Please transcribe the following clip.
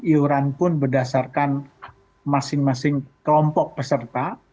iuran pun berdasarkan masing masing kelompok peserta